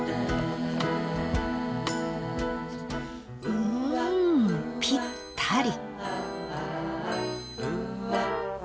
うんぴったり！